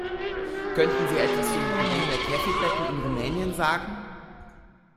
Könnten Sie etwas zu dem Problem der Käfigbetten in Rumänien sagen?